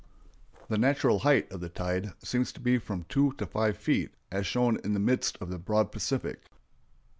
The natural height of the tide seems to be from two to five feet, as shown in the midst of the broad Pacific.